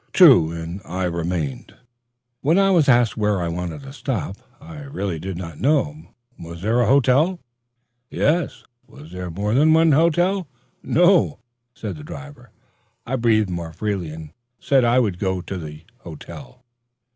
True; and I remained, and when I was asked where I wanted to stop, I really did not know. Was there a hotel? Yes. Was there more than one hotel? No. I breathed more freely, and said I would go to the hotel.